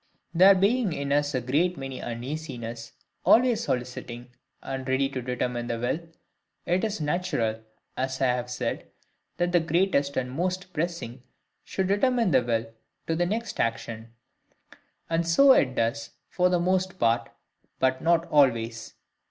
There being in us a great many uneasinesses, always soliciting and ready to determine the will, it is natural, as I have said, that the greatest and most pressing should determine the will to the next action; and so it does for the most part, but not always.